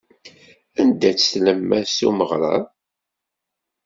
Anda-tt tlemmast umeɣrad?